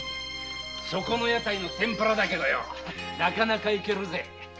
そこの屋台の天プラだけどなかなかいけるぜ。